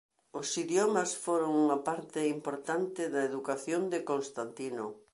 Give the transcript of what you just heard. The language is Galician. Os idiomas foron unha parte importante da educación de Constantino.